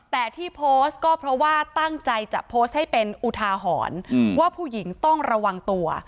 แต่ที่โพสต์ก็เพราะว่าตั้งใจจะโพสต์ให้เป็นอุทาหรณ์ว่าผู้หญิงต้องระวังตัว